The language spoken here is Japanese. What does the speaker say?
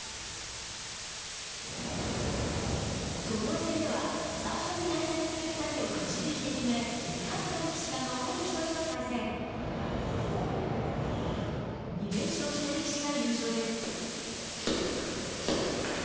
ともえ戦では、最初に対戦する２人をくじ引きで決め、勝った力士が、残る１人と対戦。２連勝した力士が優勝です。